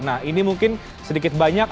nah ini mungkin sedikit banyak